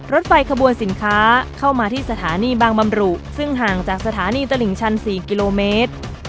รถไฟขบวนสินค้าเข้ามาที่สถานีบางบำรุซึ่งห่างจากสถานีตลิ่งชัน๔กิโลเมตร